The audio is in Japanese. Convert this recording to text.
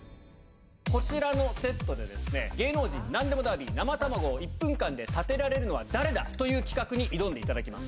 こちらのセットで、芸能人なんでもダービー、生卵を１分間で立てられるのは誰だ？という企画に挑んでいただきます。